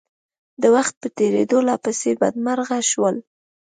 د وخت په تېرېدو لا پسې بدمرغه شول.